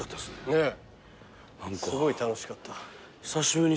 ねえ。